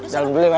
jangan beli ma